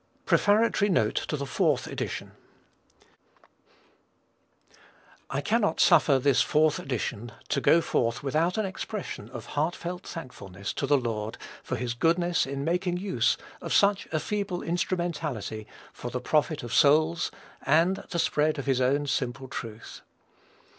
_ PREFATORY NOTE TO THE FOURTH EDITION. I cannot suffer this Fourth Edition to go forth without an expression of heartfelt thankfulness to the Lord for his goodness in making use of such a feeble instrumentality for the profit of souls and the spread of his own simple truth.